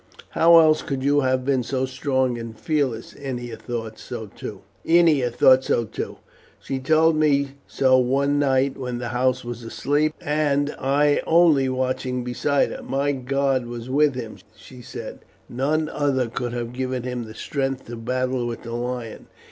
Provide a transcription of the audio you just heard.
How else could you have been so strong and fearless? Ennia thought so too. She told me so one night when the house was asleep, and I only watching beside her. 'My God was with him,' she said. 'None other could have given him the strength to battle with the lion.